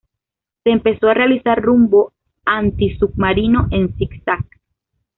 Se empezó a realizar rumbo antisubmarino en zig-zag.